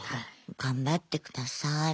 頑張って下さい。